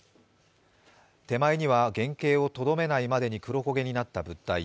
手前には原形をとどめないまでに黒焦げになった物体。